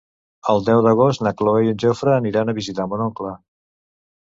El deu d'agost na Cloè i en Jofre aniran a visitar mon oncle.